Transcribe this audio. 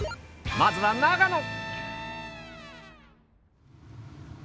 まずは長野。